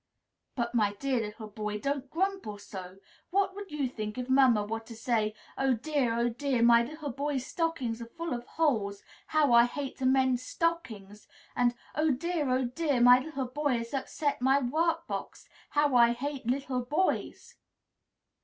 "But, my dear little boy, don't grumble so! What would you think if mamma were to say, 'Oh, dear! oh, dear! My little boy's stockings are full of holes. How I hate to mend stockings!' and, 'Oh, dear! oh, dear! My little boy has upset my work box! I hate little boys'?"